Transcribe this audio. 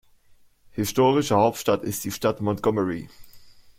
Historische Hauptstadt ist die Stadt Montgomery.